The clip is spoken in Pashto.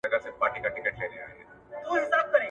زه کتابتون ته راتګ کړی دی!؟